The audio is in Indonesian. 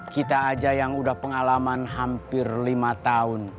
kita aja yang udah pengalaman hampir lima tahun